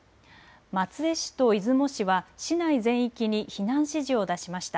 松江市と出雲市は市内全域に避難指示を出しました。